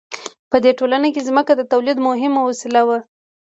په دې ټولنه کې ځمکه د تولید مهمه وسیله وه.